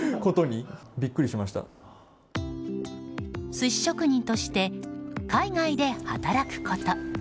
寿司職人として海外で働くこと。